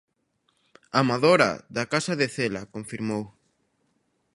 Amadora, da casa de Cela, confirmou.